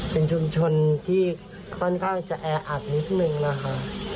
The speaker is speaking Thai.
เป็นชุมชนที่ค่อนข้างจะแออัดนิดนึงนะคะ